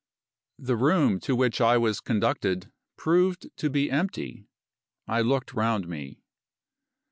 The room to which I was conducted proved to be empty. I looked round me.